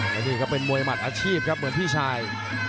และนี่ก็เป็นมวยหมัดอาชีพครับเหมือนพี่ชาย